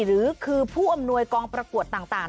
หรือคือผู้อำนวยกองประกวดต่าง